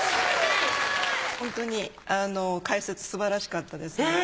ホントに解説すばらしかったですね。